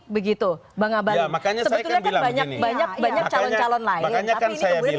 sebetulnya kan banyak calon calon lain